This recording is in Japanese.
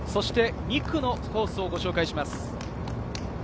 ２区のコースを紹介します。